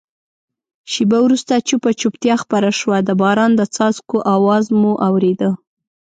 شېبه وروسته چوپه چوپتیا خپره شوه، د باران د څاڅکو آواز مو اورېده.